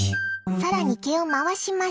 更に毛を回します。